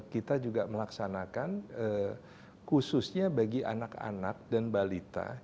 kita juga melaksanakan khususnya bagi anak anak dan balita